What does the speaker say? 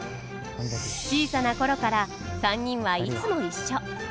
小さな頃から３人はいつも一緒。